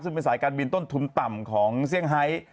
ซึ่งเป็นสายการบินต้นทุนต่ำของเซี่ยงไฮ